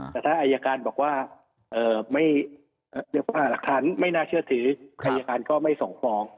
แต่ถ้าอายการบอกว่าหลักฐานไม่น่าเชื่อถืออายการก็ไม่ส่งฟ้อง